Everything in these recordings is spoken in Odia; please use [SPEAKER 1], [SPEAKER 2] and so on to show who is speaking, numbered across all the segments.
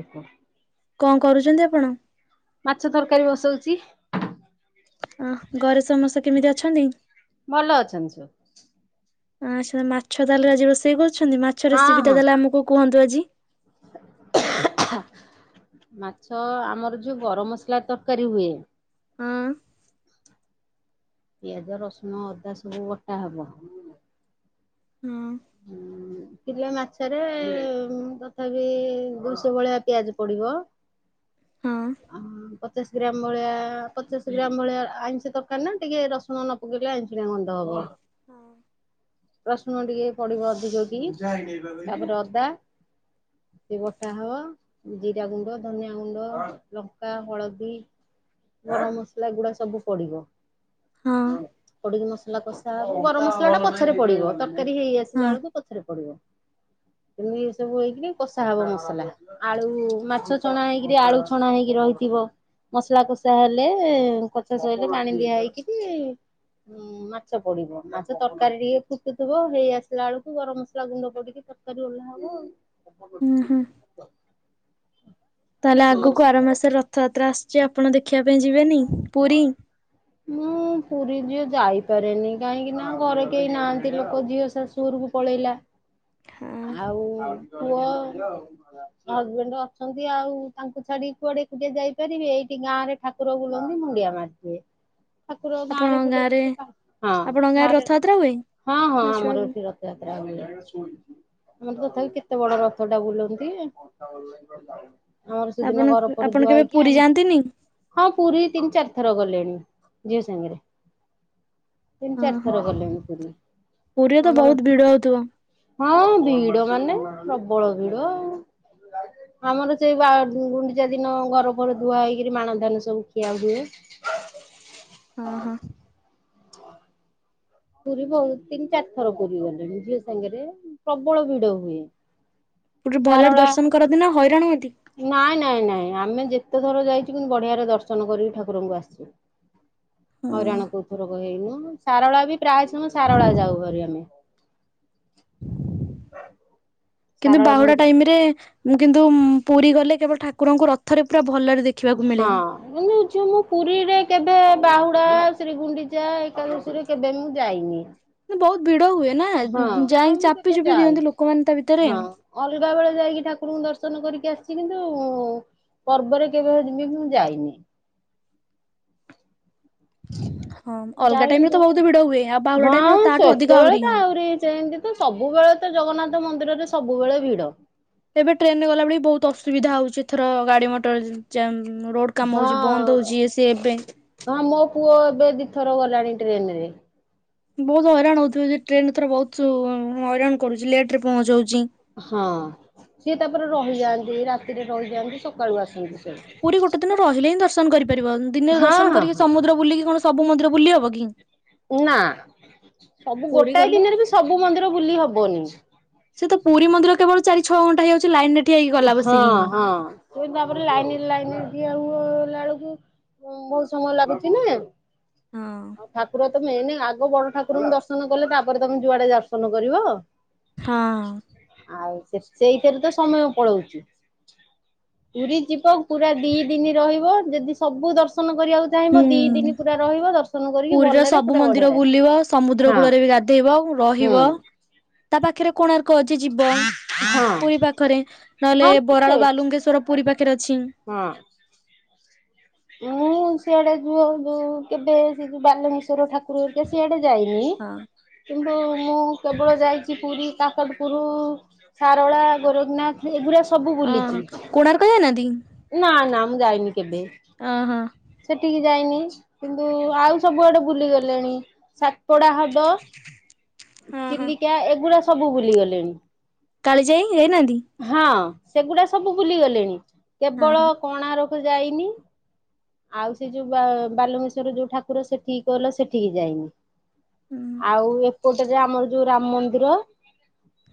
[SPEAKER 1] ଓହୋ
[SPEAKER 2] କଣ କରୁଛନ୍ତି ଆପଣ?
[SPEAKER 1] ମାଛ ତରକାରୀ ବସଉଛି।
[SPEAKER 2] ଆ ଘରେ ସମସ୍ତେ କେମିତି ଅଛନ୍ତି?
[SPEAKER 1] ଭଲ ଅଛନ୍ତି ସେ
[SPEAKER 2] ଆ ଆଚ୍ଛା ମାଛ ତାହେଲେ ଆଜି ରୋଷେଇ କରୁଛନ୍ତି। ମାଛ
[SPEAKER 1] ହଁ
[SPEAKER 2] ରେସିପିଟା
[SPEAKER 1] ହଁ
[SPEAKER 2] ତାହେଲେ ଆମକୁ କୁହନ୍ତୁ ଆଜି।
[SPEAKER 1] [inaudible] ମାଛ ଆମର ଯୋଉ ଗରମ ମସଲା ତରକାରୀ ହୁଏ।
[SPEAKER 2] ହଁ
[SPEAKER 1] ପିଆଜ, ରସୁଣ, ଅଦା ସବୁ ବଟା ହବ।
[SPEAKER 2] ହଁ
[SPEAKER 1] କିଲେ ମାଛରେ ତଥାପି ଦୁଇଶହ ଭଳିଆ ପିଆଜ ପଡିବ।
[SPEAKER 2] ହଁ
[SPEAKER 1] ପଚାଶ ଗ୍ରାମ ଭଳିଆ ପଚାଶ ଗ୍ରାମ ଭଳିଆ ଆଇଁଷ ତରକାରୀ ନା ଟିକେ ରସୁଣ ନ [unintelligible] ଗନ୍ଧ ହବ
[SPEAKER 2] ହଁ
[SPEAKER 1] ପ୍ରଶ୍ନ ଟିକେ ପଡିବ ଅଧିକକି ତାପରେ ଅଦା [unintelligible] ବଟା ହବ ଜିରା ଗୁଣ୍ଡ, ଧନିଆ ଗୁଣ୍ଡ, ଲଙ୍କା, ହଳଦୀ ଗରମ ମସଲା ଗୁଡା ସବୁ ପଡିବ।
[SPEAKER 2] ହଁ
[SPEAKER 1] ପଡିକି ମସଲା କଷା ହବ ଗରମ ମସଲାଟା ପଛରେ ପଡିବ ତରକାରୀ ହେଇ ଲା
[SPEAKER 2] ହଁ
[SPEAKER 1] ବେଳକୁ ପଛରେ ପଡିବ।
[SPEAKER 2] [inaudible]
[SPEAKER 1] ଏମିତି ଏସବୁ ହେଇକି କଷା ହବ ମସଲା। ଆଳୁ ମାଛ ଛଣା ହେଇକିରି ଆଳୁ ଛଣା ହେଇକି ରହିଥିବ। ମସଲା କଷା ହେଲେ କଷା ଶଇଲେ ପାଣି ଦିଆ ହେଇକିରି ହୁଁ ମାଛ ପଡିବ ମାଛ ତରକାରୀ ଟିକେ ଫୁଟୁଥିବ ହେଇ ଆସି ହେଲା ବେଳକୁ ଗରମ ମସଲା ଗୁଣ୍ଡ ପଡିକି ତରକାରୀ ଓ୍ଲାହା ହବ।
[SPEAKER 2] ହୁଁ ହୁଁ
[SPEAKER 1] ହ [unintelligible]
[SPEAKER 2] ତାହେଲେ ଆଗକୁ ଆର ମାସରେ ରଥଯାତ୍ରା ଆସୁଛି ଆପଣ ଦେଖିବା ପାଇଁ ଯିବେନି ପୁରୀ
[SPEAKER 1] ମୁଁ ପୁରୀ ଝିଅ ଯାଇପାରେନି କାହିଁକି ନା ଘରେ କେହି ନାହାନ୍ତି ଲୋକ ଝିଅ ଶାଶୁ ଘରକୁ ପଳେଇଲା
[SPEAKER 2] [inaudible]
[SPEAKER 1] ଆଉ ପୁଅ ହଜବେଣ୍ଡ ଅଛନ୍ତି ଆଉ ତାଙ୍କୁ ଛାଡିକି କୁଆଡେ ଏକୁଟିଆ ଯାଇପାରିବେ ଏଇଠି ଗାଁ ରେ ଠାକୁର ବୁଲନ୍ତି ମୁଣ୍ଡିଆ ମାାରିିଦିଏ। ଠାକୁର ଗାଁ ରେ
[SPEAKER 2] ଆପଣଙ୍କ ଗାଁରେ
[SPEAKER 1] ବୁଲଥିବେ ହଁ
[SPEAKER 2] ଆପଣଙ୍କ
[SPEAKER 1] ଗାଁରେ
[SPEAKER 2] ରଥଯାତ୍ରା ହୁଏ
[SPEAKER 1] ହଁ ହଁ
[SPEAKER 2] ନା
[SPEAKER 1] ଆମର
[SPEAKER 2] ଛୁଆକୁ
[SPEAKER 1] ଏଠି ରଥ ଯାତ୍ରା ବୁଲେ ଆମର ତଥାପି କେତେ ବଡ ରଥ ଟା ବୁଲନ୍ତି ଆମର ସେଦିନ ଘର ପରେ ଧୁଆ ହେଇକି ଆମ
[SPEAKER 2] ତିନି
[SPEAKER 1] ହଁ ପୁରୀ ତିନି ଚାରି ଥର ଗଲେଣି ଝିଅ ସାଙ୍ଗେରେ
[SPEAKER 2] ଓହୋ
[SPEAKER 1] ଗଲେଣି ପୁରୀ
[SPEAKER 2] ପୁରୀରେ ତ
[SPEAKER 1] ଆମର
[SPEAKER 2] ବହୁତ ଭିଡ ହଉଥିବ
[SPEAKER 1] ହଁ ଭିଡ ମାନେ ପ୍ରବଳ ଭିଡ ଆଉ ଆମର ସେଇ ବା ଗୁଣ୍ଡିଚା ଦିନ ଘର ପର ଧୁଆ ହେଇକିରି ମାଣ ଧାନ ସବୁକିଆ [unintelligible] ହୁଏ
[SPEAKER 2] ଓହୋ
[SPEAKER 1] ପୁରୀ ବହୁତ ତିନି ଚାରି ଥର ପୁରୀ ଗଲେଣି ଝିଅ ସାଙ୍ଗରେ ପ୍ରବଳ ଭିଡ ହୁଏ।
[SPEAKER 2] ପୁରୀ ରେ ଭଲରେ
[SPEAKER 1] ସାରଳା
[SPEAKER 2] ଦର୍ଶନ କରନ୍ତି ନା ହଇରାଣ ହୁଅନ୍ତି?
[SPEAKER 1] ନାଇଁ ନାଇଁ ନାଇଁ ଆମେ ଯେତେଥର ଯାଇଚୁ କିନ୍ତୁ ବଢିଆରେ ଦର୍ଶନ କରିକି ଠାକୁରଙ୍କୁ ଆସିଛୁ।
[SPEAKER 2] ହଁ
[SPEAKER 1] ହଇରାଣ କୋଡ଼ ଥରକ ହେଇନୁ ସାରଳା ବି ପ୍ରାୟ ସମୟ ସାରଳା ଯାଉ ଭାରି ଆମେ।
[SPEAKER 2] କିନ୍ତୁ
[SPEAKER 1] ସାରଳା
[SPEAKER 2] ବାହୁଡା
[SPEAKER 1] ମନ୍ଦିର
[SPEAKER 2] ଟାଇମ ରେ କିନ୍ତୁ ପୁରୀ ଗଲେ କେବଳ ଠାକୁରଙ୍କୁ ରଥରେ ପୁରା ଭଲରେ ଦେଖ
[SPEAKER 1] ହଁ ଏଇନେ ଝିଅ ମୁଁ ପୁରୀରେ କେବେ ବାହୁଡା ଶ୍ରୀଗୁଣ୍ଡିଚା ଏକାଦଶୀରେ କେବେ ମୁଁ ଯାଇନି।
[SPEAKER 2] ବହୁତ ଭିଡ ହୁଏ ନା
[SPEAKER 1] ହଁ ନାଇଁ
[SPEAKER 2] ଯାଇକି
[SPEAKER 1] ମୁଁ
[SPEAKER 2] ଚାପି
[SPEAKER 1] କେବେ
[SPEAKER 2] ଚୁପି
[SPEAKER 1] ଯାଇନି।
[SPEAKER 2] ଦିଅନ୍ତିୁ ଲୋକମାନେ ତା ଭିତରେ।
[SPEAKER 1] ହଁ ଅଲଗା ବେଳେ ଯାଇକି ଠାକୁରଙ୍କୁ ଦର୍ଶନ କରିକି ଆସିଛି କିନ୍ତୁ ପର୍ବରେ କେବେବି ଦିଦି ମୁଁ ଯାଇନି।
[SPEAKER 2] ହଁ ଅଲଗା ଟାଇମ
[SPEAKER 1] ଯାଇନି
[SPEAKER 2] ରେ ତ
[SPEAKER 1] ଝିଅ
[SPEAKER 2] ବହୁତ ଭିଡ ହୁଏ ଆଉ
[SPEAKER 1] ତୁ
[SPEAKER 2] ବାହୁଡା ଟାଇମ ରେ
[SPEAKER 1] ହଁ
[SPEAKER 2] ତାଠୁ ଅଧିକ
[SPEAKER 1] ସେତେବେଳେ ତ ଆହୁରି ସେମିତି ତ ସବୁବେଳେ ତ ଜଗନ୍ନାଥ ମନ୍ଦିରରେ ସବୁବେଳେ ଭିଡ।
[SPEAKER 2] ଏବେ ଟ୍ରେନରେ ଗଲା ବେଳେ ବହୁତ ଅସୁବିଧା ହଉଛି ଏଥର ଗାଡି ମଟର ଜାମ୍ ରୋଡ। କାମ
[SPEAKER 1] ହଁ
[SPEAKER 2] ହଉଛି ବନ୍ଦ ହଉଛି ଇଏ ସିଏ ଏବେ।
[SPEAKER 1] ହଁ ମୋ ପୁଅ ଏବେ ଦିଇଥର ଗଲାଣି ଟ୍ରେନ ରେ
[SPEAKER 2] ବହୁତ ହଇରାଣ ହଉଥିବେ ଯ ଟ୍ରେନ ଏଥର ବହୁତ ହଇରାଣ କରୁଚି ଲେଟ ରେ ପହଞ୍ଚାଉଛି।
[SPEAKER 1] ହଁ ସିଏ ତାପରେ ରହିଯାଆନ୍ତି ରାତିରେ ରହିଯାଆନ୍ତି ସକାଳୁ ଆସନ୍ତି ସିଆଡ଼ୁ।
[SPEAKER 2] ପୁରୀ ଗୋଟେ ଦିନ ରହିଲେ ହିଁ ଦର୍ଶନ କରି ପାରିବ ଦିନେ
[SPEAKER 1] ହଁ
[SPEAKER 2] ଦର୍ଶନ
[SPEAKER 1] ହଁ
[SPEAKER 2] କରିକି
[SPEAKER 1] ହଁ।
[SPEAKER 2] ସମୁଦ୍ର ବୁଲିକି କଣ ସବୁ ମନ୍ଦିର ବୁଲି ହବ କି
[SPEAKER 1] ନା ସବୁ
[SPEAKER 2] ପୁରୀ
[SPEAKER 1] ଗୋଟାଏ ଦିନରେ ବି ସବୁ
[SPEAKER 2] ଗଲେ
[SPEAKER 1] ମନ୍ଦିର ବୁଲି ହବନି।
[SPEAKER 2] ସେ ତ ପୁରୀ ମନ୍ଦିର କେବଳ ଚାରି ଛଅ ଘଣ୍ଟା ହେଇଯଉ ଛି ଲାଇନ ରେ ଠି ହେଇକି ଗଲା ବସିକି
[SPEAKER 1] ଠିକ୍ ଭାବରେ ଲାଇନରେ ଲାଇନ ରେ ଠିଆ ହୁଅ ଗଲା ବେଳକୁ ହଁ ବହୁତ ସମୟ ଲାଗୁଚି ନା।
[SPEAKER 2] ହଁ।
[SPEAKER 1] ଠାକୁର ତ ମେନେ ଆଗ ବଡ ଠାକୁରଙ୍କୁ ଦର୍ଶନ କଲେ ତାପରେ ତମେ ଯୁଆଡେ ଦର୍ଶନ କରିବ।
[SPEAKER 2] ହଁ।
[SPEAKER 1] ଆଉ ସେ ସେଇଥିରେ ତ ସମୟ ପଳଉଚି। ପୁରୀ ଯିବ ପୁରା ଦି ଦିନି ରହିବ ଯଦି ସବୁ ଦର୍ଶନ କରିବାକୁ ଚାହିଁବ ଦି
[SPEAKER 2] ହୁଁ।
[SPEAKER 1] ଦିନି ପୁରା ରହିବ ଦର୍ଶନ କରିକି
[SPEAKER 2] ପୁରୀର
[SPEAKER 1] ଭଲରେ
[SPEAKER 2] ସବୁ
[SPEAKER 1] ପୁରା ବଢିଆରେ ଆସିବ ହଁ।
[SPEAKER 2] ଦେବମ୍
[SPEAKER 1] ହୁଁ
[SPEAKER 2] ରହିବ ତା ପାଖରେ କୋଣାର୍କ ଅଛି ଯିବ
[SPEAKER 1] ହଁ
[SPEAKER 2] ପୁରୀ ପାଖରେ। ନହେଲେ
[SPEAKER 1] ହଁ
[SPEAKER 2] ବରାଳ
[SPEAKER 1] ସେଇ
[SPEAKER 2] ବାଲୁଙ୍ଗେଶ୍ଵର ପୁରୀ ପାଖରେ ଅଛି।
[SPEAKER 1] ହଁ। ମୁଁ ସିଆଡେ ଯଉ ଯୋଉ କେବେ ସେ ଯୋଉ ବାଲୁଙ୍କେଶ୍ୱର ଠାକୁରହେରିକା ସିଆଡେ ଯାଇନି।
[SPEAKER 2] ହଁ।
[SPEAKER 1] କିନ୍ତୁ ମୁଁ କେବଳ ଯାଇଚି ପୁରୀ କାକଟପୁର। ସାରଳା ଗୋରଖନାଥ ଏଗୁଡା ସବୁ
[SPEAKER 2] ହଁ
[SPEAKER 1] ବୁଲିଚି।
[SPEAKER 2] କୋଣାର୍କ ଯାଇନାହାନ୍ତି
[SPEAKER 1] ନା ନା ମୁଁ ଯାଇନି କେବେ?
[SPEAKER 2] ଅ ହଁ।
[SPEAKER 1] ସେଠିକି ଯାଇନି କିନ୍ତୁ ଆଉ ସବୁଆଡେ ବୁଲିଗଲେଣି ସାତପଡା ହବ୍। ଜ
[SPEAKER 2] ହଁ ହଁ।
[SPEAKER 1] ଚିଲିକା ଏଗୁଡା ସବୁ ବୁଲିଗଲିଣି।
[SPEAKER 2] କାଳିଜାଇ ଯାଇନାହାନ୍ତି?
[SPEAKER 1] ହଁ ସେଗୁଡା ସବୁ ବୁଲିଗଲେଣି
[SPEAKER 2] ହଁ
[SPEAKER 1] କେବଳ
[SPEAKER 2] ହଁ
[SPEAKER 1] କଣାରୋକ ଯାଇନି। ଆଉ ସେ ଯୋଉ ବା ବାଲୁଙ୍ଗେଶ୍ୱର ଯୋଉ ଠାକୁର ସେଠିକି କଇଲ ସେଠିକି ଯାଇନି। ଆଉ ଏପଟେ ଯେ ଆମର ଯୋଉ ରାମ ମନ୍ଦିର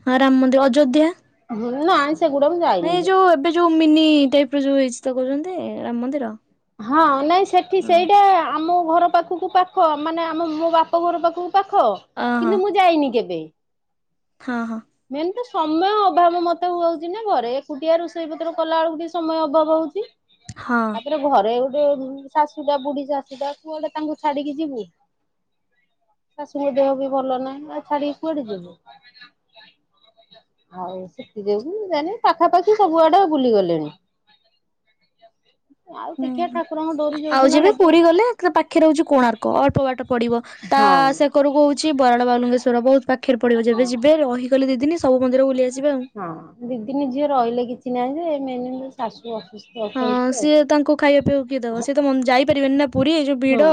[SPEAKER 2] ହଁ ରାମ ମନ୍ଦିର ଅଯୋଧ୍ୟା?
[SPEAKER 1] ହୁଁ ନାଇସ୍ ସେଗୁଡ଼ା ମୁଁ ଯାଏ
[SPEAKER 2] ନାଇଁ ଯୋଉ ଏବେ ଯୋଉ ମିନି ଟାଇପର ଯୋଉ ହେଇଛି ତ କହୁଛନ୍ତି ରାମ ମନ୍ଦିର?
[SPEAKER 1] ହଁ ନାଇଁ ସେଠି
[SPEAKER 2] ହଁ
[SPEAKER 1] ସେଇଟା ଆମ ଘର ପାଖକୁପା ପାଖ ମାନେ ଆମ ମୋ ବାପ ଘର ପାଖକୁ ପାଖ
[SPEAKER 2] ଅହ
[SPEAKER 1] କିନ୍ତୁ ମୁଁ ଯାଇନି କେବେ।
[SPEAKER 2] ହଁ ହଁ।
[SPEAKER 1] ମେନ୍ ତ ସମୟ ଅଭାବ ମତେ ହଉଚି ନା ଘରେ ଏକୁଟିଆ ରୋଷେଇ ପତ୍ର କଲା ବେଳକୁ ଟିକେ ସମୟ ଅଭାବ ହଉଚି।
[SPEAKER 2] ହଁ।
[SPEAKER 1] ଇଲୋ ଘରେ ଗୋଟେ ଉମ ଶାଶୁଟା ବୁଢୀ ଶାଶୁଟା କୁଆଡେ ତାଙ୍କୁ ଛାଡିକି ଯିବୁ। ଶାଶୁଙ୍କ ଦେହ ବି ଭଲ ନାହିଁ ଆ ଛାଡିକି କୁଆଡେ ଯିବୁ। ଆଉ ସେଥି ଯୋଗୁ ଜାଣି ପାଖାପାଖି ସବୁ ଆଡେ ବୁଲି ଗଲେଣି। ଆଉ
[SPEAKER 2] ହୁଁ।
[SPEAKER 1] ଦେଖିଆ ଠାକୁରଙ୍କ ଡୋରି ଯୋଉ
[SPEAKER 2] ଆଉ
[SPEAKER 1] ଦିନ
[SPEAKER 2] ଯେବେ ପୁରୀ
[SPEAKER 1] ଲାଗିବ।
[SPEAKER 2] ଗଲେ ତା ପାଖରେ ହଉଚି କୋଣାର୍କ ଅଳ୍ପ ବାଟ ପଡିବ ତା
[SPEAKER 1] ହଁ
[SPEAKER 2] ସେକରକୁ ହଉଛି ବରାଳ ବାଲୁଙ୍ଗେଶର। ଚୋର ବହୁତ ପାଖରେ ପଡିବ ଯେବେ
[SPEAKER 1] ହଁ।
[SPEAKER 2] ଯିବେ ରହିଲେ ଦିଦିନ ସବୁ ମନ୍ଦିର ବୁଲି ଆସିବ ଆଉ
[SPEAKER 1] ଦିଦିିନ ଝିଅ ରହିଲେ କିଛି ନାହିଁ ଯେ ମେନ ହେଲା ଶାଶୁ ଅସୁସ୍ଥ ଅଛନ୍ତି।
[SPEAKER 2] ହଁ
[SPEAKER 1] ତ
[SPEAKER 2] ସିଏ ତାଙ୍କୁ ଖାଇବା ପିଇବାକୁ କିଏ ଦେବ ସିଏ ତ ମ ଯାଇପାରିବେନି ନା ପୁରୀ ଏଇ ଯୋଉ
[SPEAKER 1] ହଁ
[SPEAKER 2] ଭିଡ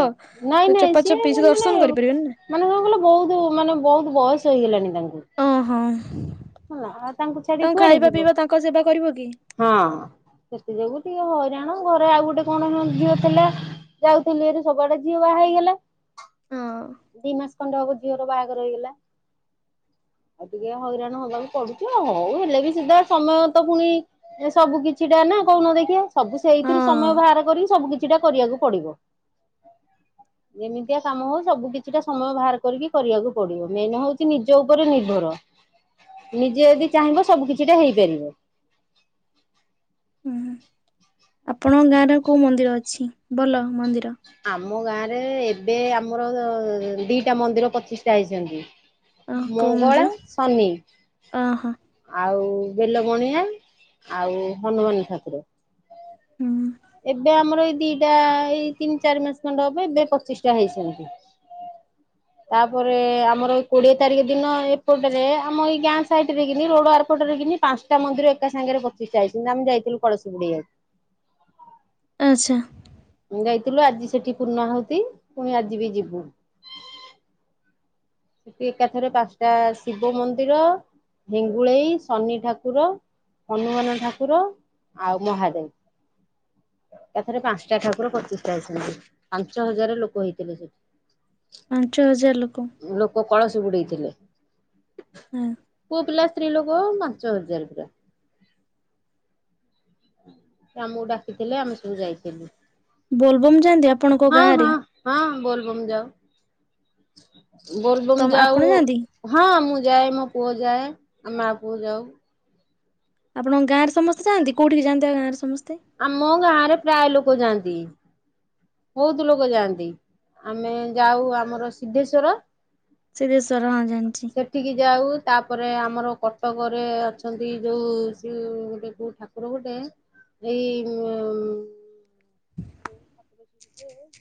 [SPEAKER 1] ନାଇଁ
[SPEAKER 2] ଯୋଉ
[SPEAKER 1] ନାଇଁ
[SPEAKER 2] ଚପା
[SPEAKER 1] ସିଏ
[SPEAKER 2] ଚପି ସେ
[SPEAKER 1] ମାନେ
[SPEAKER 2] ଦର୍ଶନ କରିପାରିବେନି ନା।
[SPEAKER 1] ମାନେ କଣ କହିଲ ବହୁତ ମାନେ ବହୁତ ବୟସ ହେଇଗଲାଣି ତାଙ୍କୁ।
[SPEAKER 2] ଓହଁ
[SPEAKER 1] ହେଲା ଆଉ ଛାଡି
[SPEAKER 2] ତାଙ୍କୁ
[SPEAKER 1] କୁଆଡେ
[SPEAKER 2] ଖାଇବା
[SPEAKER 1] ଯିବ
[SPEAKER 2] ପିଇବା ତାଙ୍କ ସେବା କରିବ କି?
[SPEAKER 1] ହଁ ସେଥି ଯୋଗୁ ଟିକେ ହଇରାଣ ଘରେ ଆଉ ଗୋଟେ କଣ ହଁ ଝିଅ ଥିଲା ଯାଉଥିଲି ହାରି ସବୁଆଡେ ଝିଅ ବାହା ହେଇଗଲା।
[SPEAKER 2] ହଁ
[SPEAKER 1] ଦି ମାସ ଖଣ୍ଡେ ହବ ଝିଅର ବାହାଘର ହେଇଗଲା ଆଉ ଟିକେ ହଇରାଣ ହବା କୁ ପଡୁଚି ଆଉ। ହଉ ହେଲେ ବି ସିଧା ସମୟ ତ ପୁଣି ଏ ସବୁ କିଛିଟା ନା କହୁନ ଦେଖିବା ସବୁ ସେଇଥିରୁ
[SPEAKER 2] ହଁ।
[SPEAKER 1] ସମୟ ବାହାର କରିକି ସବୁ କିଛିଟା କରିବାକୁ ପଡିବ। ଯେମିତିଆ କାମ ହଉ ସବୁ କିଛିଟା ସମୟ ବାହାର କରିକି କରିବାକୁ ପଡିବ ମେନ ହଉଚି ନିଜ ଉପରେ ନିର୍ଭର। ନିଜେ ଯଦି ଚାହିଁବ ସବୁ କିଛିଟା ହେଇପାରିବ।
[SPEAKER 2] ହୁଁ ଆପଣଙ୍କ ଗାଁରେ କୋଉ ମନ୍ଦିର ଅଛି ଭଲ ମନ୍ଦିର?
[SPEAKER 1] ଆମ ଗାଁରେ ଏବେ ଆମର ଦିଟା ମନ୍ଦିର ପଚିଷ୍ଟା ହେଇଚନ୍ତି।
[SPEAKER 2] ଅ କୋଉ
[SPEAKER 1] ମଙ୍ଗଳା,
[SPEAKER 2] ମନ୍ଦିର
[SPEAKER 1] ଶନି।
[SPEAKER 2] ଓହୋ
[SPEAKER 1] ଆଉ ବେଲବଣିଆ ଆଉ ହନୁମାନ ଠାକୁର।
[SPEAKER 2] ହୁଁ।
[SPEAKER 1] ଏବେ ଆମର ଏଇ ଦିଟା ଏଇ ତିନି ଚାରି ମାସ ଖଣ୍ଡ ହବ ଏବେ ପଚିଷ୍ଟା ହେଇଚନ୍ତି। ତାପରେ ଆମର ଏ କୋଡିଏ ତାରିଖ ଦିନ ଏପଟରେ ଆମ ଏଇ ଗାଁ ସାଇଟି ରେ କିନି ରୋଡ ଆର ପଟରେ କିି ପାଞ୍ଚଟା ମନ୍ଦିର ଏକା ସାଙ୍ଗରେ ପ୍ରତିଷ୍ଟା ହେଇଚନ୍ତି ଆମେ ଯାଇଥିଲୁ କଳସ ବୁଡେଇବାକୁ।
[SPEAKER 2] ଆଚ୍ଛା।
[SPEAKER 1] ଯାଇଥିଲୁ ଆଜି ସେଠି ପୂର୍ଣ୍ଣାହୁତି ପୁଣି ଆଜି ବି ଯିବୁ। ସେଠି ଏକାଥରେ ପାଞ୍ଚଟା ଶିବ ମନ୍ଦିର ହେଙ୍ଗୁଳେଇ, ଶନି ଠାକୁର ହନୁମାନ ଠାକୁର ଆଉ ମହାଦେବ। ଏକାଥରେ ପାଞ୍ଚଟା ଠାକୁର ପ୍ରତିଷ୍ଟା ହେଇଚନ୍ତି। ପାଞ୍ଚ ହଜାର ଲୋକ ହେଇଥିଲେ ସେଠି।
[SPEAKER 2] ପାଞ୍ଚ ହଜାର ଲୋକ?
[SPEAKER 1] ଲୋକ କଳସ ବୁଡେଇଥିଲେ।
[SPEAKER 2] ହଁ।
[SPEAKER 1] ପୁଅ ପିଲା ସ୍ତ୍ରୀ ଲୋକ ପାଞ୍ଚ ହଜାର ପୁରା। ସେ ଆମକୁ ଡାକିଥିଲେ ଆମେ ସବୁ ଯାଇଥିଲୁ।
[SPEAKER 2] ବୋଲବମ୍ ଯାଆନ୍ତି ଆପଣଙ୍କ
[SPEAKER 1] ହଁ
[SPEAKER 2] ଗାଁ
[SPEAKER 1] ହଁ
[SPEAKER 2] ରେ?
[SPEAKER 1] ହଁ ବୋଲବମ୍ ଯାଉ।
[SPEAKER 2] ତ
[SPEAKER 1] ବୋଲବମ
[SPEAKER 2] ଆପଣ
[SPEAKER 1] ଯାଉ
[SPEAKER 2] ଯାଆନ୍ତି?
[SPEAKER 1] ହଁ ମୁଁ ଯାଏ ମୋ ପୁଅ ଯାଏ ଆମେ ମା ପୁଅ ଯାଉ।
[SPEAKER 2] ଆପଣଙ୍କ ଗାଁରେ ସମସ୍ତେ ଯାନ୍ତି କୋଉଠିକି ଯାଆନ୍ତି ବା ଗାଁରେ ସମସ୍ତେ?
[SPEAKER 1] ଆମ ଗାଁରେ ପ୍ରାୟ ଲୋକ ଯାଆନ୍ତି। ବହୁତ ଲୋକ ଯାଆନ୍ତି ଆମେ ଯାଉ ଆମର ସିଦ୍ଧେଶ୍ଵର
[SPEAKER 2] ସିଦ୍ଧେଶ୍ୱର ହଁ ଜାଣିଚି।
[SPEAKER 1] ସେଠିକି ଯାଉ ତାପରେ ଆମର କଟକରେ ଅଛନ୍ତି ଯେଉଁ ସେ ଦେ ଗୋଟେ କଉ ଠା କୁର ଗୋଟେ ଏଇ ଉ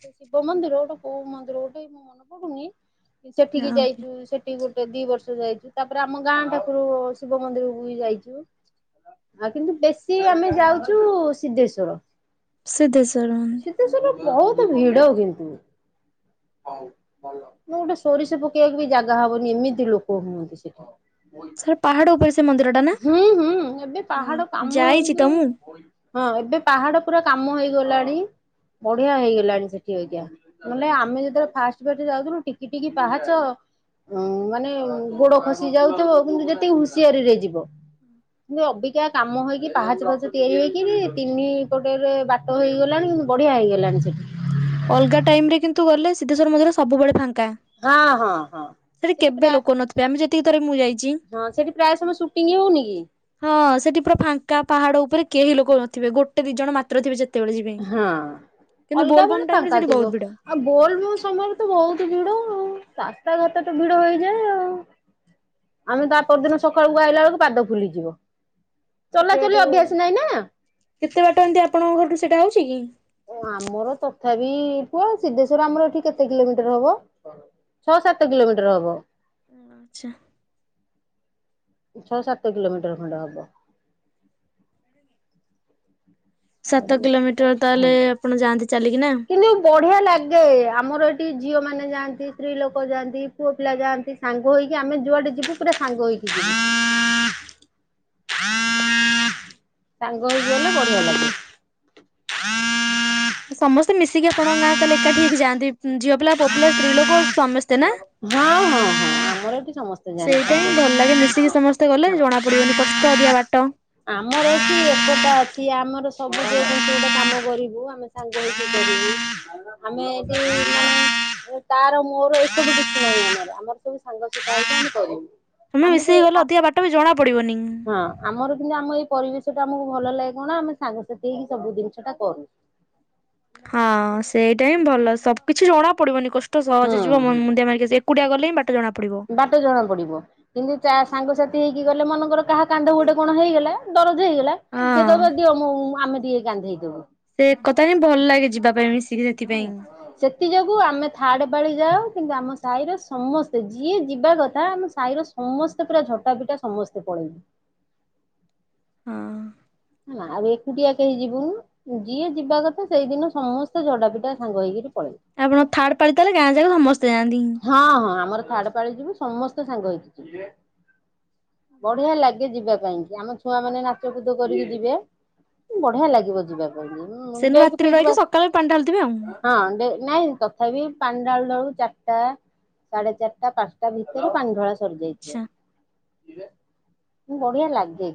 [SPEAKER 1] ସେ ଶିବ ମନ୍ଦିର ଗୋଟେ କୋଉ ମନ୍ଦିର ଗୋଟେ ମୋ ମନେ ପଡୁନି
[SPEAKER 2] ହଁ
[SPEAKER 1] ସେଠିକି
[SPEAKER 2] ଓକେ
[SPEAKER 1] ଯାଇଚୁ ସେ ଟି ଗୋଟେ ଦି ବର୍ଷ ଯାଇଚୁ ତାପରେ ଆମ ଗାଁ ଠାକୁରୁ ଶିବ ମନ୍ଦିରକୁ ବି ଯାଇଚୁ। ଆଉ କିନ୍ତୁ ବେଶୀ ଆମେ ଯାଉଚୁ ସିଦ୍ଧେଶ୍ୱର।
[SPEAKER 2] ସିଦ୍ଧେଶ୍ୱର ଉଁ
[SPEAKER 1] ସିଦ୍ଧେଶ୍ୱର ବହୁତ ଭିଡ଼ କିନ୍ତୁ। ମୁଁ ଓଟେ ସୋରିଷ ପକେଇବାକୁ ବି ଜାଗା ହବନି ଏମିତି ଲୋକ ହୁଅନ୍ତି ସେଠି।
[SPEAKER 2] ଥରେ ପାହାଡ଼ ଉପରେ ସେ ମନ୍ଦି
[SPEAKER 1] ହୁଁ ହୁଁ ଏବେ ପାହାଡ଼ କାମ ଏଇ
[SPEAKER 2] ଯାଇଛି ତ
[SPEAKER 1] ଯୋଉ
[SPEAKER 2] ମୁଁ
[SPEAKER 1] ହଁ ଏବେ ପାହାଡ଼ ପୁରା କାମ ହେଇଗଲାଣି ବଢ଼ିଆ ହେଇଗଲାଣି ସେଠି ଅଇକା। ନଲେ ଆମେ ଯେତୋଳେ ଫାଷ୍ଟ ଫାଷ୍ଟ ଯାଉଥିଲୁ ଟିକି ଟିକି ପାହାଚ ଅଁ ମାନେ ଗୋଡ଼ ଖସି ଯାଉଥିବ କିନ୍ତୁ ଯେତି ହୁସିଆରିରେ ଯିବ। କିନୁ ଅବିକା କାମ ହେଇକି ପାହାଚ ପାହାଚ ତିଆରି ହେଇକିରି ତିନି ପଟେରେ ବା ଟ ହେଇଗଲାଣି ବଢ଼ିଆ ହେଇଗଲାଣି ସେଠି।
[SPEAKER 2] ଅଲଗା ଟାଇମ୍ ରେ କିନ୍ତୁ ଗଲେ ସିଧେଶ୍ୱର ମନ୍ଦିର ସବୁବେଳେ ଫାଙ୍କା।
[SPEAKER 1] ହଁ ହଁ ହଁ। ସେଠି
[SPEAKER 2] କେବେ
[SPEAKER 1] ପ୍ରା
[SPEAKER 2] ଲୋକ ନଥିବେ ଆମେ ଯେତିକି ଥର ମୁଁ ଯାଇଛି।
[SPEAKER 1] ହଁ ସେଠି ପ୍ରାୟ ସବୁ ସୁଟିଂ ହଉନି କି?
[SPEAKER 2] ହଁ ସେଠି ପୁରା ଫାଙ୍କା ପାହାଡ଼ ଉପରେ କେହି ଲୋକ ନଥିବେ ଗୋଟେ ଦି ଜଣ ମାତ୍ର ଥିବେ ଯେ ତେବେଳେ ଯିବେ
[SPEAKER 1] ହଁ।
[SPEAKER 2] କିନ୍ତୁ
[SPEAKER 1] ଅଲଗା
[SPEAKER 2] ବୋଲ୍
[SPEAKER 1] ବେଳେ
[SPEAKER 2] ବମ୍
[SPEAKER 1] ଫାଙ୍କା ଥିବ। ଆଉ ବୋଲ୍ ବମ୍ ସମୟରେ ତ ବହୁତ ଭିଡ଼ ଆଉ ରାସ୍ତାଘାଟ ତ ଭିଡ଼ ହେଇଯାଏ ଆଉ। ଆମେ ତା ପର ଦିନ ସକାଳୁକୁ ଆଇଲା ଅଳୁକୁ ପାଦ ଫୁଲିଯିବ।
[SPEAKER 2] କେତେ
[SPEAKER 1] ଚଲାଚଲି
[SPEAKER 2] ବାଟ ଓ
[SPEAKER 1] ଅଭ୍ୟାସ ନାହିଁ ନା।
[SPEAKER 2] କେତେ ବାଟ ଏମତି ଆପଣଙ୍କ ଘରଠୁ ସେଟା ହଉଚି କି?
[SPEAKER 1] ଓ ଆମର ତଥାପି ପୁଅ ସିଦ୍ଧେଶ୍ବର ଆମର ଏଠି କେତେ କିଲୋମିଟର୍ ହବ? ଛଅ ସାତ କିଲୋମିଟର୍ ହବ।
[SPEAKER 2] ଉଁ ଆଚ୍ଛା।
[SPEAKER 1] ଛ ସାତ କିଲୋମିଟର୍ ଖଣ୍ଡେ ହବ।
[SPEAKER 2] ସାତ କିଲୋମିଟର୍ ତାହେଲେ ଆପଣ ଯାଆନ୍ତି ଚାଲିକି ନାଁ?
[SPEAKER 1] ପଢି଼ଆ ଲାଗେ ଆମର ଏଠି ଝିଅମାନେ ଯାଆନ୍ତି ସ୍ତ୍ରୀଲୋକ ଯାଆନ୍ତି ପୁଅ ପିଲା ଯାଆନ୍ତି ସାଙ୍ଗ ହେଇକି ଆମେ ଯୁଆଡ଼େ ଯିବୁ ପୁରା ସାଙ୍ଗ ହେଇକି ଯିବୁ। ସାଙ୍ଗ ହେଇ ଗଲେ ବଢ଼ିଆ ଲାଗେ। ହଁ
[SPEAKER 2] ସମସ୍ତେ ମିଶିକି ଆପଣଙ୍କ ଗାଁ ତାହେଲେ ଏକାଠି ହେଇକି ଯାଆନ୍ତି ଝିଅ ପିଲା ପୁଅ ପିଲା ସ୍ତ୍ରୀଲୋକ ସମସ୍ତେ ନାଁ?
[SPEAKER 1] ହଁ ହଁ ହଁ ଆମର ଏଠି ସମସ୍ତେ ଯାଆନ୍ତି
[SPEAKER 2] ସେଇଟା
[SPEAKER 1] ସାଙ୍ଗ
[SPEAKER 2] ହିଁ ଭଲ
[SPEAKER 1] ହେଇକି
[SPEAKER 2] ଲାଗେ ମିଶିକି ସମସ୍ ତେ ଗଲେ
[SPEAKER 1] ହଁ।
[SPEAKER 2] ଜଣା ପଡ଼ିବନି କଷ୍ଟ ଅଧିକା ବାଟ।
[SPEAKER 1] ଆମର ଏଠି ଏକତା ଅଛି ଆମର ସବୁ ଯୋଉଠି କିଏ ଗୋଟେ କାମ କରିବୁ ଆମେ ସାଙ୍ଗ ହେଇକି କରିବୁ। ଆମେ ଏଠି ମାନେ ତାର ମୋର ଏ ସବୁ କିଛି ନାହିଁ ଆମର। ଆମର ସବୁ ସାଙ୍ଗସୁକା ହେଇକି ଆମେ କରିବୁ।
[SPEAKER 2] ହଁ ମି
[SPEAKER 1] ଆମକୁ ଏ
[SPEAKER 2] ମିଶିକି ଗଲେ
[SPEAKER 1] ଆ
[SPEAKER 2] ଅଧିକା ବାଟ ବି ଜଣା ପଡ଼ିବନି।
[SPEAKER 1] ହଁ ଆମର କିନ୍ତୁ ଆମ ଏଇ ପରିବେଶଟା ଆମୁକୁ ଭଲ ଲାଗେ କଣ ଆମେ ସାଙ୍ଗସାଥି ହେଇକି ସବୁ ଦିନିଷଟା କରୁ।
[SPEAKER 2] ହଁ ସେଇଟା ହିଁ ଭଲ ସବୁ କିଛି ଜଣା ପଡ଼ିବନି କଷ୍ଟ
[SPEAKER 1] ହୁଁ
[SPEAKER 2] ସହଜ ଯିବ ମୁ
[SPEAKER 1] ହୁଁ
[SPEAKER 2] ମୁଣ୍ଡିଆ ମାରିକି ଆସି କୁଟିଆ ଗଲେ ହିଁ ବାଟ ଜଣାପଡ଼ିବ।
[SPEAKER 1] ବାଟ ଜଣା ପଡ଼ିବ କିନ୍ତୁ ତା ସାଙ୍ଗସାଥି ହେଇକି ଗଲେ ମନେକର କାହା କାନ୍ଧ ଗୋଟେ କଣ ହେଇଗଲା ଦରଜ ହେଇଗଲା ସିଏ
[SPEAKER 2] ହଁ
[SPEAKER 1] କହିବ ଦିଅ ମୁଁ ଆମେ ଟିକେ କାନ୍ଧେଇଦୋବୁ।
[SPEAKER 2] ସେ ଏକତା ହିଁ ଭଲ ଲାଗେ ଯିବା ପାଇଁ ମିଶିକି ସେ
[SPEAKER 1] ହେଲ ସେ ତି ଯୋଗୁ ଆମେ ଥାର୍ଡ଼ ପାଳି ଯାାଉ କିନ୍ତୁ ଆମ ସାହିର ସମସ୍ତେ ଯିଏ ଯିବା କଥା ଆମ ସାହିର ସମସ୍ତେ ପୁରା ଝଟା ପିଟା ସମସ୍ତେ ପଳେଇବୁ।
[SPEAKER 2] ହଁ।
[SPEAKER 1] ହେଲା ଆଉ ଏକୁଟିଆ କେହି ଯିବୁନୁ ଯିଏ ଯିବା କଥା ସେଇଦିନ ସମସ୍ତେ ଝଡ଼ା ଯୋଟା ସାଙ୍ଗ ହେଇକିରି ପଳେଇ।
[SPEAKER 2] ଆପଣ ଥାଡ ପାଳି ତାହେଲେ ଗାଁ ଯାକ ସମସ୍ତେ ଯାନ୍ତି।
[SPEAKER 1] ହଁ ହଁ ଆମର ଥାଡ ପାଳି ଯିବୁ ସମସ୍ତେ ସାଙ୍ଗ ହେଇକି ଯିବ। ବଢିଆ ଲାଗେ ଯିବା ପାଇଁ କି ଆମ ଛୁଆ ମାନେ ନାଚ କୁଦ କରିକି ଯିବେ। ବଢିଆ ଲାଗିବ ଯିବା ପାଇଁ।
[SPEAKER 2] ସେନୁ
[SPEAKER 1] ଡେକ୍
[SPEAKER 2] ରାତିରେ
[SPEAKER 1] ଫେକ୍ ବା
[SPEAKER 2] ରହିକି ସକାଳେ ପାଣି ଢାଳିଥିବେ ଆଉ।
[SPEAKER 1] ହଁ ନାଇଁ ତଥାପି ପାଣି ଡାଳୁଡଳୁ [unintelligible] ଟା ସାଢେ ଚାରିଟା ପାଞ୍ଚଟା ଭିତରେ ପାଣି ଧଳା
[SPEAKER 2] ଆଚ୍ଛା
[SPEAKER 1] ସରିଯାଇଥିବ। ବଢିଆ ଲାଗେ।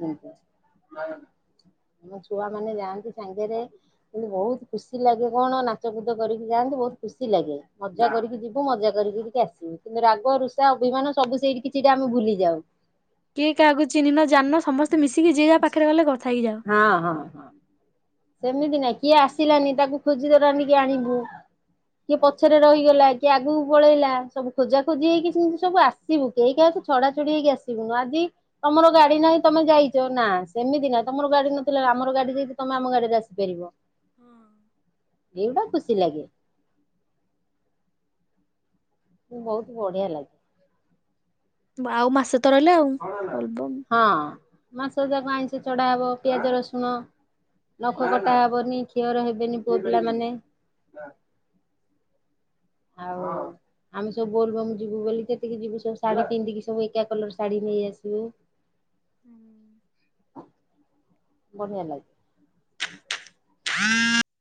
[SPEAKER 1] ଆମ ଛୁଆ ମାନେ ଯାଆନ୍ତି ସାଙ୍ଗେରେ କିନ୍ତୁ ବହୁତ ଖୁସି ଲାଗେ କଣ ନାଚ କୁଦ କରିକି ଯାଆନ୍ତୁ ବହୁତ ଖୁସି ଲାଗେ ମଜା କରିକି ଯିବୁ। ସବୁ ମଜା କରିକିକି ଆସିବୁ କିନ୍ତୁ ରାଗ ରୁଷା ଅଭିମାନ ସବୁ ସେଇଠି କି ସେଇଟା ଆମେ ଭୁଲିଯାଉ।
[SPEAKER 2] କିଏ କାହାକୁ ଚିହ୍ନିନ ଜାଣିନ ସମସ୍ତେ ମିଶିକି ଯିଏ ଯା ପାଖରେ ଗଲେ କଥା ହେଇଯାଅ।
[SPEAKER 1] ହଁ ହଁଁ। ସେମିତି ନାଇଁ କିଏ ଆସିଲାନି ତାକୁ ଖୋଜିଦଲାଣି କି ଆଣିବୁ। କିଏ ପଛରେ ରହିଗଲା କିଏ ଆଗକୁ ପଳେଇଲା ସବୁ ଖୋଜାଖୋଜି ହେଇକି ସେମିତି ସବୁ ଆସ ଆସିବୁ କେହି କାହିଁ ତ ଛଡାଛଡି ହେଇକି ଆସିବୁନୁ ଆଜି ତମର ଗାଡି ନାହିଁ ତମେ ଯାଇଛ ନା ସେମତି ନାଁ ତମର ଗାଡି ନଥିଲା ଆମର ଗାଡି ଯାଇଛି ତମେ ଆମ ଗାଡି ରାସିପାରିବ।
[SPEAKER 2] ହଁ।
[SPEAKER 1] ଏଇଟା ଖୁସି ଲାଗେ। ମୁଁ ବହୁତ ବଢିଆ ଲାଗେ।
[SPEAKER 2] ଆଉ ମାସ ତ ରହିଲା ଆଉ। ବୋଲବମ୍।
[SPEAKER 1] ହଁ ମାସ ଯାକ ଆଇଁଷ ଚଢା ହବ। ପିଆଜ ରସୁଣ ନଖ କଟା ହବନି କ୍ଷଅର ହେବେନି ପୁଅ ପିଲାମାନେ ଆଉ ଆମେ ସବୁ ବୋଲବମ ଯିବୁ ବୋଲି କେତିକି ଯିବୁ ସୁ ଶାଢୀ ପିନ୍ଧିକି ସବୁ ଏକା କଲର ଶାଢୀ ନେଇଆସିଲୁ।
[SPEAKER 2] ହୁଁ
[SPEAKER 1] ବଢିଆ ଲାଗେ।